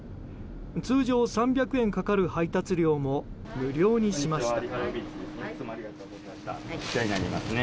通常３００円かかる配達料も無料にしました。